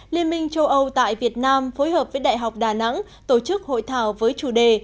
liên minh châu âu tại việt nam phối hợp với đại học đà nẵng tổ chức hội thảo với chủ đề